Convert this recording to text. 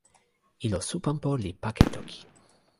ilo Supanpo li pake toki.